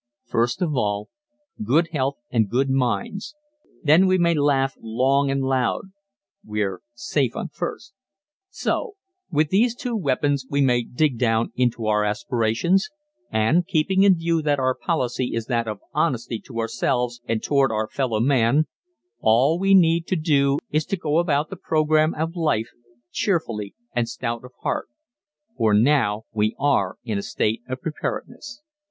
First of all, good health and good minds then we may laugh loud and long we're safe on "first." So, with these two weapons we may dig down into our aspirations, and, keeping in view that our policy is that of honesty to ourselves and toward our fellow man, all we need to do is to go about the program of life cheerfully and stout of heart for now we are in a state of preparedness.